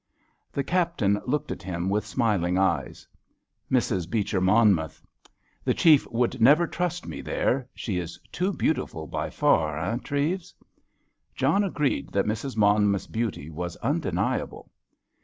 The Captain looked at him with smiling eyes. "Mrs. Beecher Monmouth. The Chief would never trust me there. She is too beautiful by far, eh, Treves?" John agreed that Mrs. Monmouth's beauty was undeniable.